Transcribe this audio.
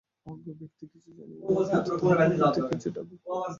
অজ্ঞ ব্যক্তি কিছুই জানে না, কিন্তু তাহার প্রকৃতি কিছুটা আবেগপ্রবণ।